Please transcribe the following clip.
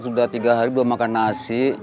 sudah tiga hari belum makan nasi